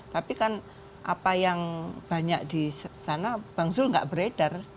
tapi kan apa yang banyak di sana bang zul gak beredar